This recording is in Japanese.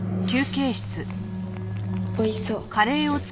おいしそう。